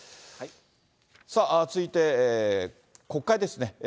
さあ、続いて、国会ですね。